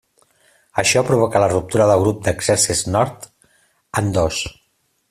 Això provocà la ruptura del Grup d'Exèrcits Nord en dos.